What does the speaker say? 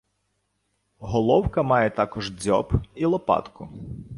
Головка має також дзьоб і лопатку.